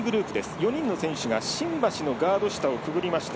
４人の選手が新橋のガード下をくぐりまして